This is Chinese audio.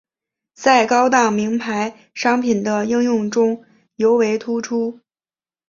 在高档名牌商品的应用中尤为突出。